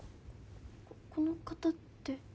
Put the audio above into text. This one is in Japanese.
この方って。